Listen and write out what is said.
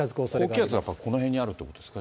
高気圧はやっぱりここら辺にあるということですか。